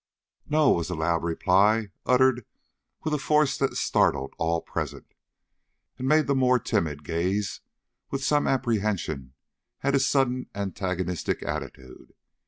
"No!" was the loud reply, uttered with a force that startled all present, and made the more timid gaze with some apprehension at his suddenly antagonistic attitude.